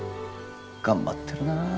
頑張ってるな。